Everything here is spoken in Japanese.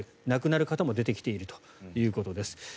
亡くなる方も出てきているということです。